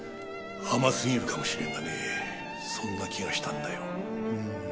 甘すぎるかもしれんがねそんな気がしたんだよ。